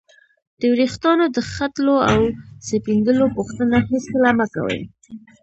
د ورېښتانو د ختلو او سپینېدلو پوښتنه هېڅکله مه کوئ!